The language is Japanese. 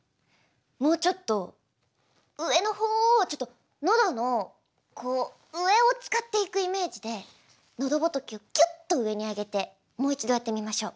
もうちょっと上のほうをちょっと喉のこう上を使っていくイメージで喉仏をきゅっと上に上げてもう一度やってみましょう。